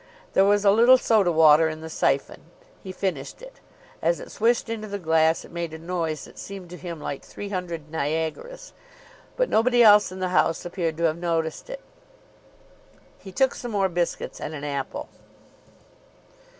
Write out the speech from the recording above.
There was a little soda water in the syphon. He finished it. As it swished into the glass, it made a noise that seemed to him like three hundred Niagaras; but nobody else in the house appeared to have noticed it. He took some more biscuits, and an apple.